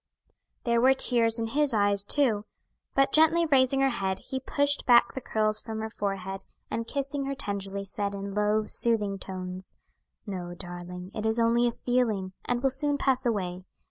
There were tears in his eyes, too; but gently raising her head, he pushed back the curls from her forehead, and kissing her tenderly, said, in low, soothing tones, "No, darling; it is only a feeling, and will soon pass away.